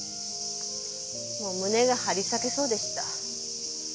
もう胸が張り裂けそうでした。